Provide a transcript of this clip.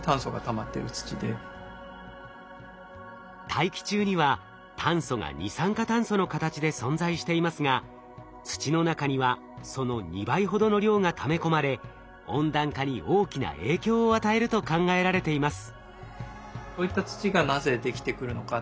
大気中には炭素が二酸化炭素の形で存在していますが土の中にはその２倍ほどの量がため込まれ温暖化に大きな影響を与えると考えられています。